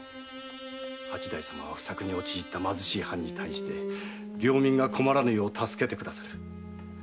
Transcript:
八代様は不作に陥った貧しい藩に対して領民が困らぬよう助けてくださる。